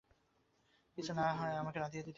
কিছু না হয় তো আমি রাঁধিয়া দিতে পারি।